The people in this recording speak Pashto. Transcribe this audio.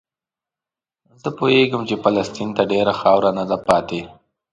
زه پوهېدم چې فلسطین ته ډېره خاوره نه ده پاتې.